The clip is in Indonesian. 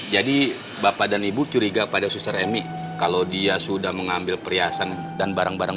jadi bapak dan ibu curiga pada susar emi kalau dia sudah mengambil perhiasan dan barang barang